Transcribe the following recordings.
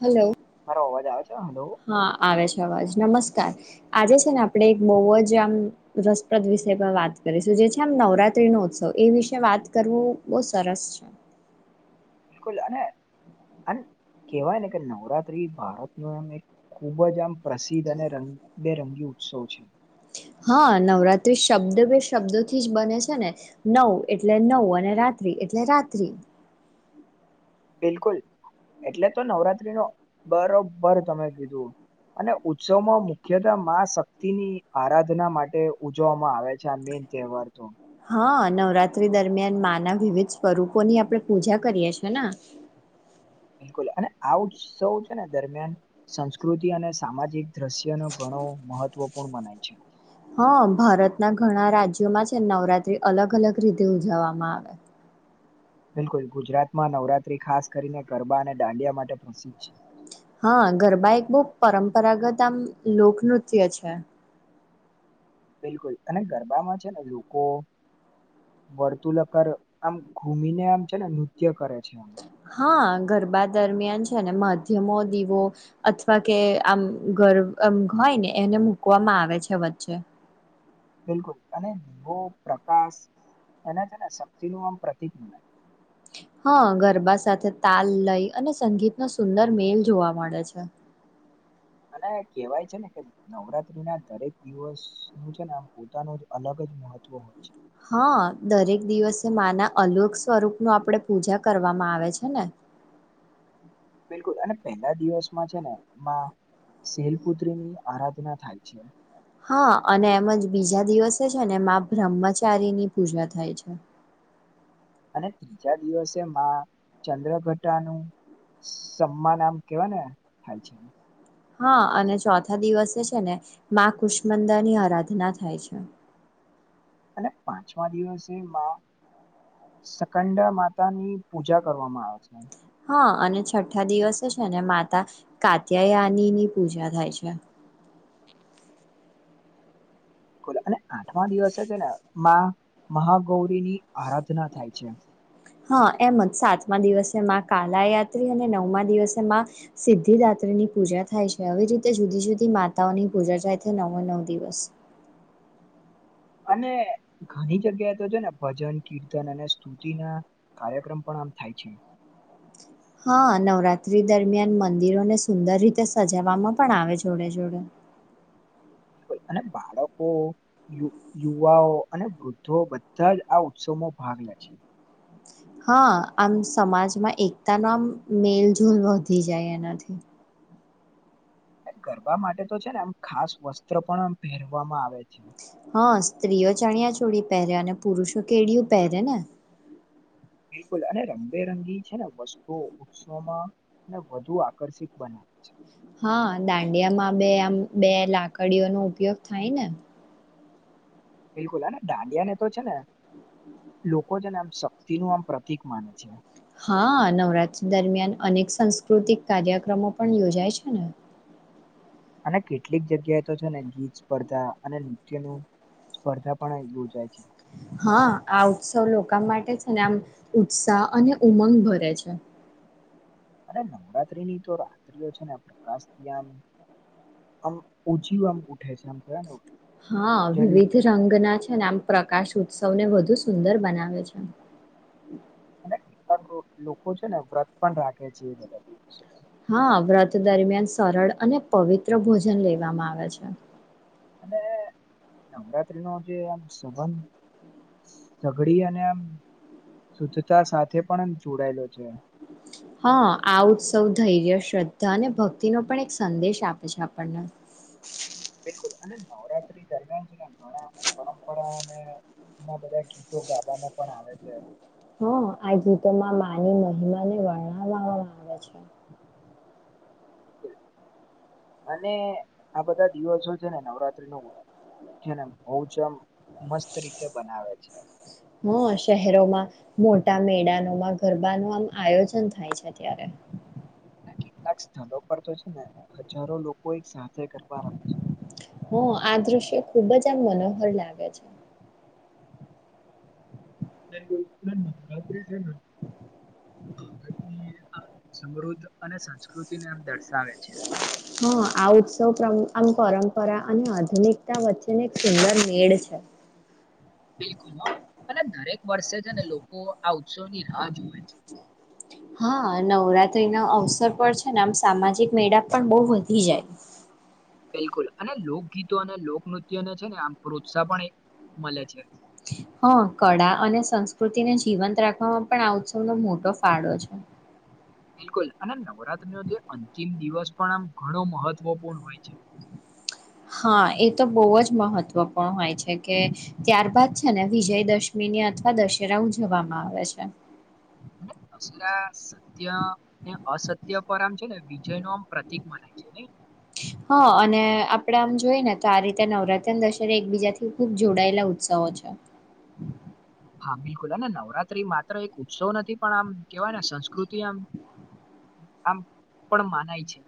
હાલો મારો અવાજ આવે છે? હલો હા આવે છે આવાજ નમસ કાર આજે છેને આપળે એક બવ જ આમ રસપ્રદ વિષય પર વાત કરીશું જે છે ને નવરાત સ્ત્રીનો ઉત્સવ એ વિશે વાત કરવું બઉ સરસ છે. બિલકુલ અને અન કેવાય ને કે નવરાત્રી ભારતનો ખૂબ જ આમ પ્રસિદ્ધ અને રંગબેરંગી ઉત્સવ છે. હા, નવરાત્રી શબ્દ બે શબ્દોથી જ બને છે ને નવ એટલે નવ અને રા એટલે રાત્રિ. બિલકુલ એટલે તો નવરાત્રી નો બરોબર તમે કીધું. અને ઉત્સવમાં મુખ્યત માં શક્તિની આરાધના માટે ઉજવવામાં આવે છે આ મે તહેવાર તો. હા, નવરાત્રી દરમિયાન મા ના વિવિધ સ્વરૂપો ની આપણે પૂજા કરીએ છે ને. હ બિલકુલ અને આ ઉત્સવ છે ને દરમિયાન સંસ્કૃતિ અને સામાજિક દ્રશ્યનું ગણ હો મહત્વપૂર્ણ મનાય છે. હા ભારતના ઘણા રાજ્યોમાં છે નવરાત્રી અલગ અલગ રીતે ઉજવવામાં આવે. બિલકુલ ગુજરાતમાં નવરાત્રી ખાસ કરીને ગરબા અને દાંડિયા માટે પ્રસિદ્ધ છે. હા, ગરબા એક બહ પરંપરાગત આમ લોકનૃત્ય છે. બિલકુલ અને ગરબામાં છે ને લોકો વર્તુલક પર આમ ઘૂમીને આમ છે ને નૃત્ય કરે. છે આમ હા. ગરબા દરમિયાન છે ને મધ્યમો દીવો અથવા કે આમ ગરમ ઘર ને એને મકવામાં આવે છે વચ્ચે બિલકુલ અને દવો પ્રકાશ એના છે ને શક્તિનુંું આમ પ્રતિક મના [inaudible] હા ગરબા સાથે તાલ લઈ અને સંગીતનોો સુંદર મેલ જોવા મળે છે [inaudible] અને કેહેવાય છે ને કે નવરાત્રી ના દરેક દિવસ ન છે ને આમ પોતાનું અલગ જ મહત્વ હો છે હા દરેક દિવસે મા ના અલોક સ્વરૂપ ન આપડે પૂજા કરવામાં આવે છે ને [inaudible] બિલકુલ અને પહેલા દિવસમાં છે ને માં શેલપુત્રી ની આરાધના થાય છે હા અને એમજ બીજા દિવસે છે ને મા બ્રહ્મચારી ની પૂજા થાય છે [inaudible] અને ત્રીજા દિવસે માં ચંદ્ર ઘટાનું સમમા નામ કેવાના થાય છે હા અને ચોથા દિવસે છે ને માં કુષ્મંદા ની આરાધના થાય છે [inaudible] અને પાંચમા દિવસે મા સકંડા માતા ની પૂજા કરવામાં આવે છે હ અને છઠ્ઠા દિવસે છે ને માતા કાત્યાયાની ની પૂજા થાય છે બિલકુલ અને આઠમા દિવસે છે ને માં મહાગૌરીની આરાધના થાય છે હા એમ જ સાતમા દિવસેમાં કાલાયાત્રી અને નવમા દિવસેમાં સિદ્ધિદાત્રી ની પૂજા થાય છે આવી રીતે જુદી જુદી માતાઓની પૂજા થાય છે નવ નવ દિવસ [inaudible] અને ઘણી જગ્યાએ તો છે ને ભજન કીર્તન અને સ્તુતિ ના કાર્યક્રમ પણ થાય છે [inaudible] હા નવરાત્રી દરમિયાન મંદિરોને સુંદર રીતે સજાવામાં પણ આવે જોડે જોડે હમ બિલકુલ અને બાળકો યુવાઓ અને વૃદ્ધો બધા જ આ ઉત્સવમાં ભાગ લે છે [inaudible] હા આમ સમાજમાં એકતાનો આમ મેલજુલ વધી જાય એનાથી ગરબા માટે તો છે ને આમ ખાસ વસ્ત્ર પણ પહેરવામાં આવે છે. હા [unintelligible] સ્ત્રીઓ ચણિયા ચોળી પહેરે અને પુરુષો કેડિયું પહેરે ને બિલકુલ અને રંગબેરંગી છે ને વસ્તુ ઉત્સોમાં વધુ આકર્ષિત બનાવે છે. હા દાંડિયામાં બે આમ બે લાકડીઓનોો ઉપયોગ થાય ને બિલકુલ હને દાંડિયા ને તો છે ને લોકો છે ને આમ શક્તિ નું આમ પ્રતિક માને છે. હા નવરાત્રી દરમિયાન અનેક સાસ્કૃતિક કાર્યક્રમો પણ યોજાય છે ને અને કેટલીક જગ્યાએ તો છે ને ગીત સ્પર્ધા અને નૃત્ય ન સ્પર્ધા પણલું જાય છે. હા આ ઉત્સવ લોકો માટે છે ને આમ ઉત્સાહ અને ઉમંગ ભરે છે. અરે નવરાત્રીની તો રાત્રિઓ છે ને પ્રકાશથી આમ આમ ઓછી આમ ઉઠે છે આમ થયા ને હા જલી વિવિધ ઉઠે છે રંગના છે ને આમ પ્રકાશ ઉત્સવ સૌને વધુ સુંદર બનાવે છે. અને કેટલાક લોકો છે ને વ્રત પણ રાખે છે એ બધા દિવસે. હા, વ્રત દરમિયાન સરળ અને પવિત્ર ભોજન લેવામાં આવે છે. અને નવરાત્રીનો જે આમ સંબંધ સઘડી અને આમ શુદ્ધતા સાથે પણ જોડાયેલો છે. [inaudible] હન, આ ઉત્સવ ધૈર્ય, શ્રદ્ધા ને ભક્તિનો પણ એક સંદેશ આપે છે આપડને [inaudible] બિલકુલ. અને નવરાત્રી દરમિયાન છે ને ઘણા પરંપરાને જુના બધા ગીતો ગાવામાં પણ આવે છે. હન, આ ગીતોમાં માંની મહિમાને વર્ણવામાં આવે છે. બિલકુલ. [inaudible] અને આ બધા દિવસો છે ને નવરાત્રીનો જેને બઉ જ આમ મસ્ત રીતે બનાવે છે. હા શહેરોમાં મોટા મેદાનોમાં ગરબાનું આમ આયોજન થાય છે ત્યારે. અને કેટલાક સ્થળો પર તો છે ને હજારો લોકો એક સ હન, આ દ્રશ્ય ખુબ જ આમ મનોહર લાગે છે. [unintelligible] નવરાત્રિ છે ન ભારતની આમ સમૃદ્ધ અને સંસ્કૃતિને આમ દર્શા હન, આ ઉત્સવ આમ પરમ પરપરા અને આધુનિકતા વચ્ચેને એક સુંદર મેળ છે. બિલકુલ હ. અને દરેક વર્ષે છે ને લોકો આ ઉત્સવની રાહ જોવે છે. હન, નવરાત્રીના અવસર પર છે ને આમ સામાજિક મેળા પણ બઉ વધી જાય [inaudible] બિલકુલ. અને લોકગીતો અને લોકનૃત્યને છે ને આમ પ્રોત્સાહ પણ એક મલે છે. હન, કળા અને સંસ્કૃતિને જીવંત રાખવામાં પણ આ ઉત્સવનો મોટો ફાળો છે. [inaudible] બિલકુલ. અને નવરાત્રીનો જે અંતિમ દિવસ પણ આમ ઘણો મહત્વપૂર્ણ હોય છે. [inaudible] હા, એ તો બઉ જ મહત્વપૂર્ણ હોય છે કે ત્યારબાદ છે ને વિજય દશમી મીની અથવા દશેરા ઉજવામાં આવે છે. અને દશેરા સત્ય ને અસત્ય પર આમ છે ને વિજયનું આમ પ્રતિક મનાય છે નઈ. હન, અને આપડે આમ જોએ ને તો આ રીતે નવરાત્રી દશેરા એકબીજાથી ખુબ જોડાયેલા ઉત્સવો ઓ છો. ત્રી માત્ર એક ઉત્સવ નથી પણ આમ કેવાયને સંસ્કૃતિ આમ આમ પણ માનાય છે.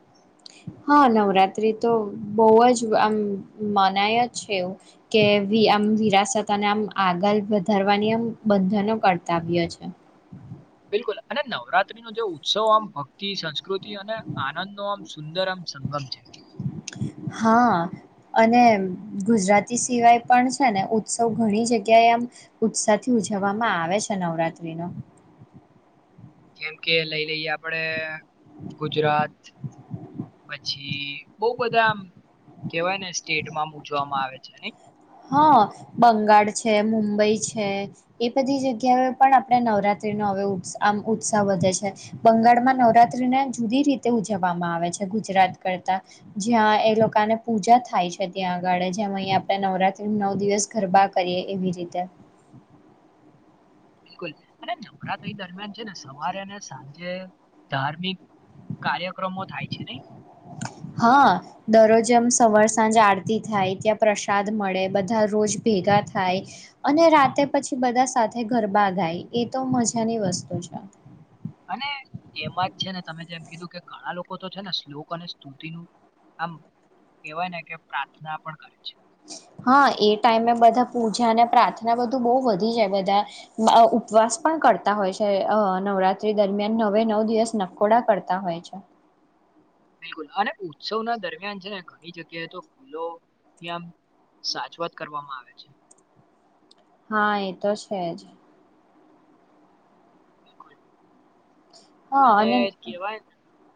હન, નવરાત્રી તો બઉ જ આમ મનાય જ છે. એવું કે વી આમ વિરાસત અને આમ આગળ વધારવાની આમ બધાનો કરતાવ્ય છે. બિલકુલ અને નવરાત્રીનો જે ઉત્સવ આમ ભક્તિ સંસ્કૃ પ્રકૃતિ અને આનંદનો આમ સુંદર આમ સંગમ છે. હન. અને ગુજરાતી સિવાય પણ છે ને ઉત્સવ ઘણી જગ્યાએ આમ ઉત્સાહથી ઉજવામાં આવે છે નવરાત્રીનો. જેમ કે લઈ લઈએ આપડે ગુજરાત પછી બઉ બધા આમ કેવાયને સ્ટેટમાંમ ઉજવામાં આવે છે નઈ. હન, બંગાળ છે, મુંબઈ છે, એ બધી જગ્યાએ પણ આપણે નવરાત્રીનો નો અવે ઉત્સ આમ ઉત્સાહ વધે છે. બંગાળમાં નવરાત્રીને જુદી રીતે ઉજવામાં આવે છે. ગુ ગુજરાત કરતા. જ્યાં એ લોકોને પૂજા થાય છે ત્યાં આગળ જેમ અહીંયા આપે નવરાત નવ દિવસ ગરબા કરીએ એવી રીતે. બિલકુલ અને નવરાત્રી દરમિયાન છે. સવારે અને સાંજે ધાર્મિક કાર્ય ક્રમો થાય છે નહી. જેમ સવાર સાંજ આરતી થાય ત્યાં પ્રસાદ મળે બધા રોજ ભેગા થાય અને રાતે પછી બધા સાથે ગરબા ગાય એ તો મજાની વસ્તુ છે. અને એમાં જ છે ને તમે જેમ કીધું કે ઘણા લોકો તો છે ને શ્લોક અને સ્તુતિનું આમ કેવાય ને કે પ્રાર્થના પણ કરે છે. હમ હા એ ટાઈમે બધા પૂજા અને પ્રાર્થના બધું બહુ વધી જાય બધા ઉપવાસ પણ કરતા હોય છે અ નવરાત્રી દરમિયાન નવે નવ દિવસ નકોડા કરતા હોય છે. બિલકુલ અને ઉત્સવ ના દરમિયાન છે ને એની જગ્યાએ તો ફૂલો ત્યાંમ સાચવાત કરવામાં આવે છે. હા એ તો છે જ બકુલ અને કેવા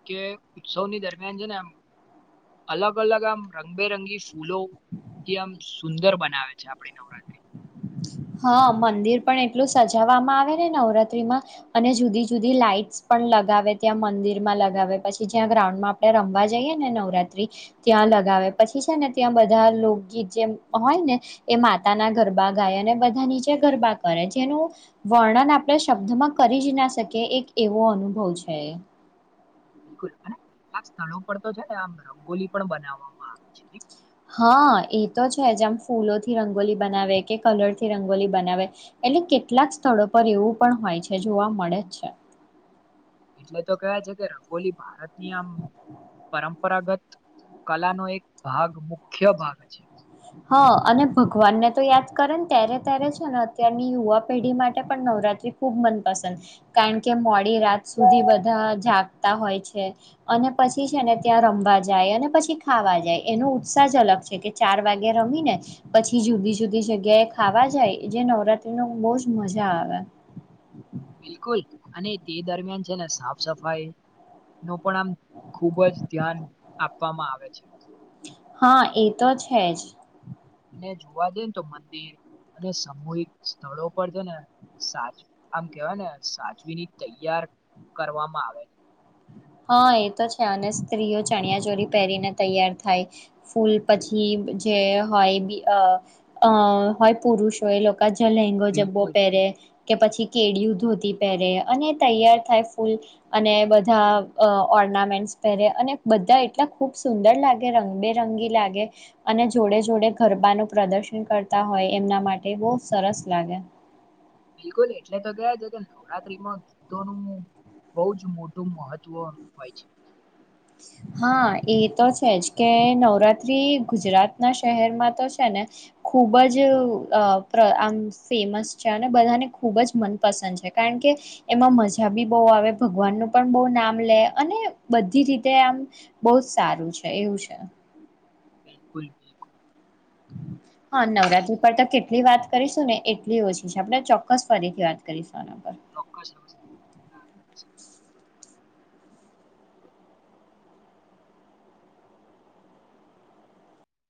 કે ઉત્સવની દરમિયાન છે ને આમ અલગ અલગ આમ રંગબેરંગી ફૂલો એ આમ સુંદર બનાવે છે આપડી નવરાત્રી હ. હા મંદિર પણ એટલું સજાવવામાં આવે ને નવરાત્રીમાં અને જુદી જુદી લાઈટસ પણ લગાવે ત્યાં મંદિર માં લગાવે પછી જ્યાં ગ્રાઉન્ડ માં આપણે રમવા જઈએ ને નવરાત્રી ત્યાં લગાવ પછી છે ને ત્યાં બધા લોકગીત જે હોય ને એ માતા ના ગરબા ગાય અને બધા નીચે ગરબા કરે જેનું વર્ણન આપણે શબ્દમાં કરી જ ના શકીએ એક એવો અનુભવ છે. બિલકુલ અને કેટલાક સ્થળો પર તો છે ને આમ રંગોલી પણ બનાવવામાં આવે છે. હા એ તો છે જ આમ ફૂલોથી રંગોલી બનાવે કે કલર થી રંગોલી બનાવે એટલે કેટલાક સ્થળો પર એવું પણ હોય છે જોવા મળે જ છે. એટલે તો કેવા છે કે રંગોલી ભારતની આમ પરંપરા પરંપરાગત કલાનોો એક ભાગ મુખ્ય ભાગ છે. હા અને ભગવાનને તો યાદ કરે ને ત્યારે ત્યારે છે ને અત્યારની યુવા પેઢી માટે પણ નવરાત બ મપસંદ કારણ કે મોડી રાત સુધી બધા જાગતા હોય છે. અને પછી છે ને ત્યાં રમવા જાય અને પછી ખાવા જાય એનો ઉત્સાહ જ અલગ છે કે ચાર વાગે રમી ને પછી જુદી જુદી જગ્યા એ ખાવા જાય જે નવરાત્રી ન બહુજ મજા આવે. હ. બિલકુલ અને તે દરમિયાન છે ને સાફ સફાઈ ન પણ આમ ખૂબ જ ધ્યાન આપવામાં આવે છે. હા એ તો છે જ. અને જોવા જઈ ને તો મંદિર અને સામૂહિક સ્થળો પર છે ને સાજ આમ કેવાય ને સાજવીની તૈયાર કરવામાં આવે છે. હા એ તો છે અને સ્ત્રીઓ ચણિયા ચોરી પહેરીને તૈયાર થાય ફૂલ પછી જે હોય હોય પુરુષ હો એ લોકો કજ લંગો જબો બિલકુલ પહેરે કે પછી કેળિયું ધોતી પહેરે અને તૈયાર થાય ફૂલ અને બધા અ ઓર્નામેન્ટસ પહેરે અને બધા એટલા ખૂબ સુંદર લાગે રંગબેરંગી લાગે અને જોડે જોડે ગરબાનું પ્રદર્શન કરતા હોય એમના માટે બહ સરસ લાગે. બિલકુલ એટલે તો ગયા છે કે નવરાત્રીમાં ગીતોનું બહુ જ મોટું મહત્વ હોય છે. હા એ તો છે જ કે નવરાત્રી ગુજરાત ના શહેરમાં તો છે ને ખુબ જ આમ ફેમસ છે અને બધાને ખુબ જ મનપસંદ છે. કારણ કે એમાં મજા બી બહુ આવે ભગવાન નું પણ બહુ નામ લે અને બધી રીતે તે આમ બહ જ સારું છે એવું છે. બિલકુલ બિલકુલ. [inaudible] હા બિલકુલ. નવરાત્રી પર તો કેટલી વાત કરીશું ને એટલી ઓછી છે આપણે ચોક્કસ ફરીથી વાત કરીશું. આના પર ચોક્કસ. [inaudible]